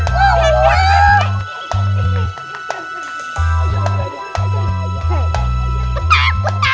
sini sini sini aku baca aku baca